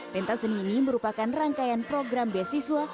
pentas seni ini merupakan rangkaian program beasiswa